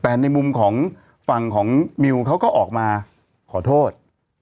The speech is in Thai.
แต่ในมุมของฝั่งของมิวเขาก็ออกมาขอโทษ